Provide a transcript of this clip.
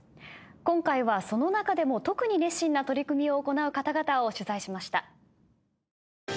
今回はその中でも特に熱心な取り組みを行う方々を取材しました。